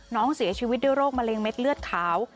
น้องเสียชีวิตด้วยโรคมะเร็งเม็ดเลือดขาว